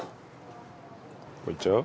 これいっちゃう？